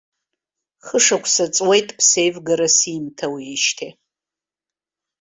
Хышықәса ҵуеит ԥсеивгара симҭауеижьҭеи.